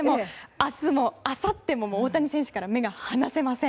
明日も、あさっても大谷選手から目が離せません。